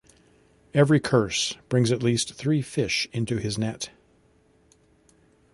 Every curse brings at least three fish into his net.